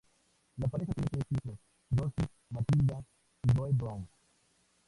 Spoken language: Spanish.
La pareja tiene tres hijos: Rosie, Matilda y Joe Brown.